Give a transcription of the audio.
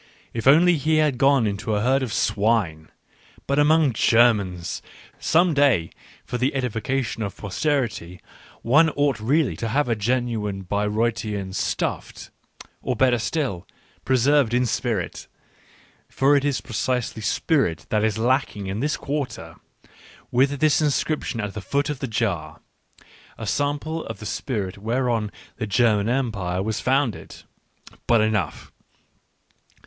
If only he had gone into a herd of swine ! But among Ger mans ! Some day, for the edification of posterity, one ought really to have a genuine Bayreuthian stuffed, or, better still, preserved in spirit, — for it is precisely spirit that is lacking in this quarter, — with this inscription at the foot of the jar :" A sample of the spirit whereon the ' German Empire ' was founded." ... But enough